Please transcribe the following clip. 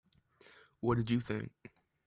What did you think?